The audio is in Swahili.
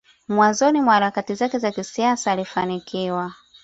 mwanzoni mwa harakati zake za kisiasa alifanikiwa